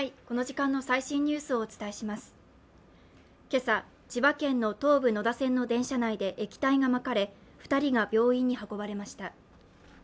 今朝、千葉県の東武野田線の電車内で液体がまかれ２人が病院に運ばれました。